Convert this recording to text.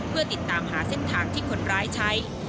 เพื่อติดตามหาเส้นทางที่คนร้ายใช้